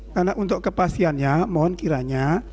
karena untuk kepastiannya mohon kiranya